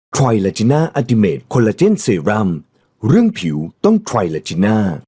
ไทลาจิน่าอาร์ติเมตคอลลาเจนเซรัมเรื่องผิวต้องไทลาจิน่า